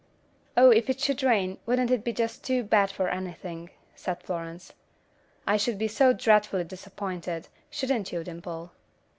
"Oh, if it should rain, wouldn't it be just too bad for anything," said Florence. "I should be so dreadfully disappointed, shouldn't you, Dimple?"